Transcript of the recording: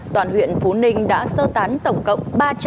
toàn huyện phú ninh đã sơ tán tổng cộng ba trăm sáu mươi